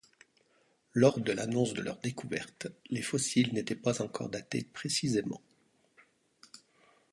Lors de l'annonce de leur découverte, les fossiles n'étaient pas encore datés précisément.